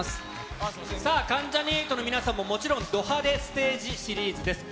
さあ、関ジャニ∞の皆さんも、もちろんド派手ステージシリーズです。